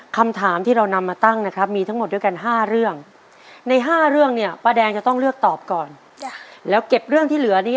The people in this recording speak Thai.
คำถามที่เรานำมาตั้งมีทั้งหมดด้วยกัน๕เรื่อง